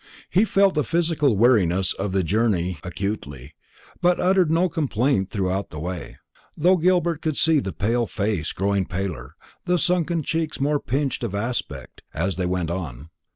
He felt the physical weariness of the journey acutely, but uttered no complaint throughout the way; though Gilbert could see the pale face growing paler, the sunken cheeks more pinched of aspect, as they went on.